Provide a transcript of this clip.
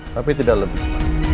tapi tidak lebih